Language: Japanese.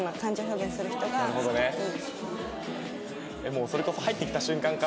もうそれこそ入ってきた瞬間からさ